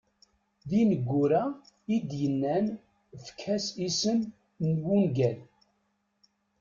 D ineggura i d-yennan efk-as isem n wungal.